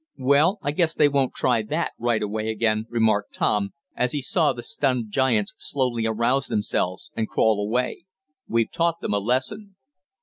"Well, I guess they won't try that right away again," remarked Tom, as he saw the stunned giants slowly arouse themselves and crawl away. "We've taught them a lesson."